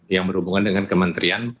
yang berhubungan dengan kementerian